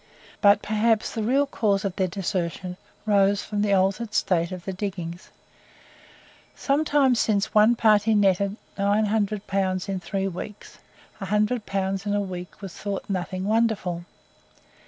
But perhaps the real cause of their desertion arose from the altered state of the diggings. Some time since one party netted 900 pounds in three weeks; 100 pounds a week was thought nothing wonderful.